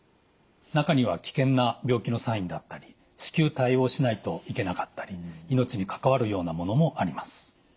中には危険な病気のサインだったり至急対応しないといけなかったり命に関わるようなものもあります。